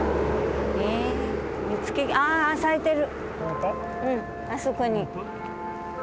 うんあそこに。